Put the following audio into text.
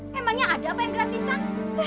memangnya ada apa yang gratisan